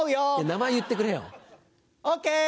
名前言ってくれよ。